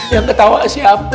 yang ketawa siapa ya